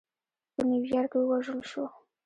په نیویارک کې ووژل شو.